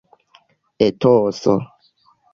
etoso